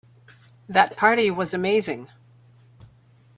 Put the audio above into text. That party was amazing.